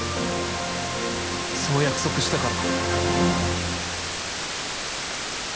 そう約束したから